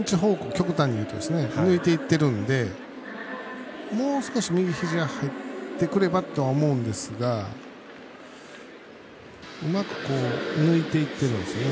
極端に言うと抜いていってるんでもう少し右肘が入ってくればとは思うんですがうまく抜いていってますね。